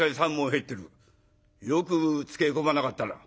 よく使え込まなかったな」。